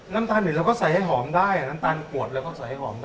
น้ำตาลเนี่ยเราก็ใส่ให้หอมได้น้ำตาลปวดเราก็ใส่ให้หอมได้